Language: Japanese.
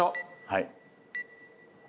はい。